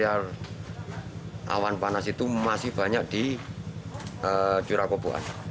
awan panas itu masih banyak di curah koboas